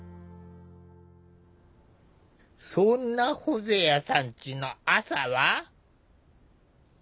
そんなホゼアさんちの朝は。